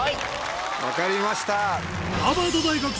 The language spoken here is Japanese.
分かりました。